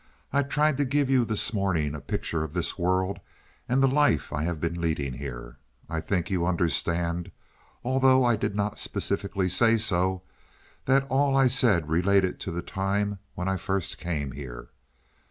"I tried to give you this morning, a picture of this world and the life I have been leading here. I think you understand, although I did not specifically say so, that all I said related to the time when I first came here.